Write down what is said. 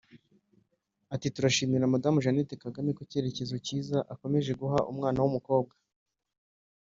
Ati “Turashimira Madamu Jeanette Kagame ku cyerekezo cyiza akomeje guha umwana w’umukobwa